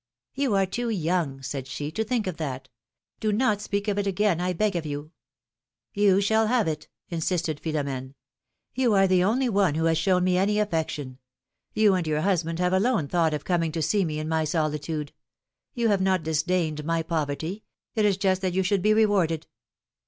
^^You are too young," said she, ^^to think of that. Do not speak of it again, I beg of you !" ^^You shall have it," insisted Philomene. ^^You are the only one who has shown me any affection ; you and your husband have alone thought of coming to see me in my PHILOM^INE^S MAEEIAGES. 87 solitude. You have not disdained my poverty; it is just that you should be re warded.